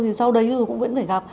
thì sau đấy cũng vẫn phải gặp